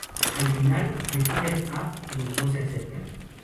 Al final de "Killer App", los dos se acercan.